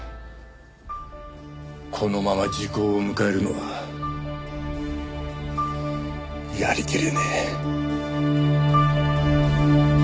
このまま時効を迎えるのはやりきれねえ。